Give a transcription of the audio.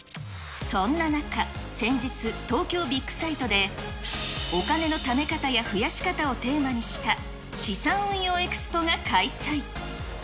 そんな中、先日、東京ビッグサイトで、お金のため方や殖やし方をテーマにした、資産運用エクスポが開催。